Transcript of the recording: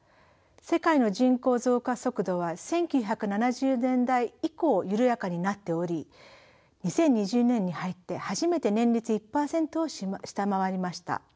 世界の人口増加速度は１９７０年代以降緩やかになっており２０２０年に入って初めて年率１％を下回りました。